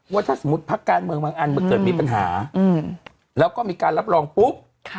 ว่าถ้าสมมุติพักการเมืองบางอันมันเกิดมีปัญหาแล้วก็มีการรับรองปุ๊บ